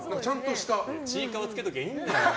ちいかわつけときゃいいんだよ。